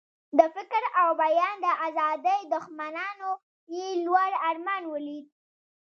د فکر او بیان د آزادۍ دښمنانو یې لوړ ارمان ولید.